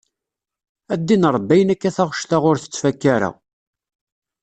A ddin Ṛebbi ayen akka taɣect-a ur tettfakka ara.